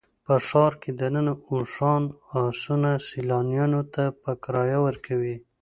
په ښار کې دننه اوښان او اسونه سیلانیانو ته په کرایه ورکوي.